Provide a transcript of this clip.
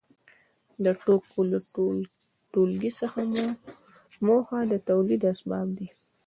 د توکو له ټولګې څخه موخه د تولید اسباب دي.